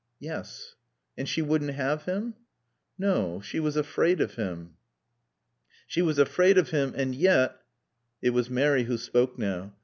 "Yes." "And she wouldn't have him?" "No. She was afraid of him." "She was afraid of him and yet " It was Mary who spoke now.